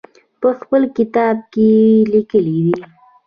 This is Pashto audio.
په خپل کتاب کې یې لیکلي دي.